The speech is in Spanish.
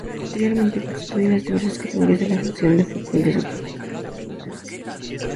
Anteriormente constituía las diversas categorías de la Asociación de Football de Santiago.